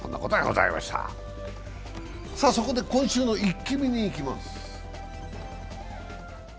そこで今週のイッキ見にいきます。